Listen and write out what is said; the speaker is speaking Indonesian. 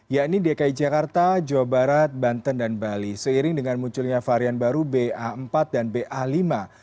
yakni dki jakarta jawa barat banten dan bali seiring dengan munculnya varian baru ba empat dan ba lima